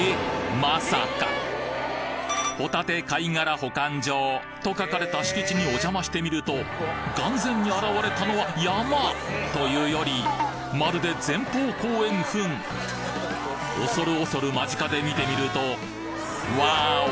まさか「保管場」と書かれた敷地におじゃましてみると眼前に現れたのは山！というよりまるで前方後円墳恐る恐る間近で見てみるとわお！